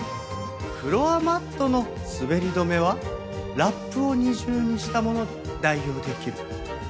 フロアマットの滑り止めはラップを２重にしたもので代用できる。